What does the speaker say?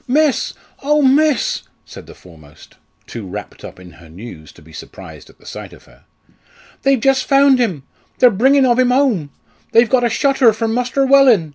miss oh! miss!" said the foremost, too wrapt up in her news to be surprised at the sight of her. "They've just found him they're bringin' ov 'im home; they've got a shutter from Muster Wellin!